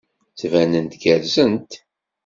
Ttbanent gerrzent.